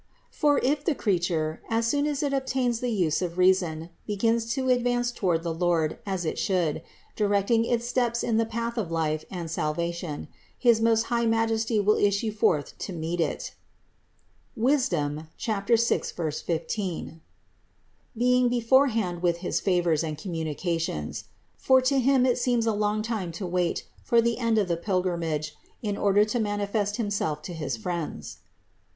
For if the creature, as soon as it obtains the use of reason, begins to advance toward the Lord as it should, directing its footsteps in the path of life and sal vation, his Most High Majesty will issue forth to meet it, (Wis. 6, 15), being beforehand with his favors and communications; for to Him it seems a long time to wait for the end of the pilgrimage in order to manifest Himself to his friends.